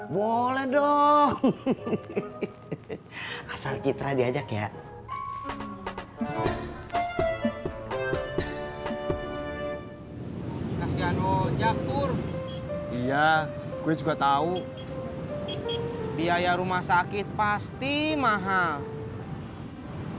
biaya rumah sakit pasti mahal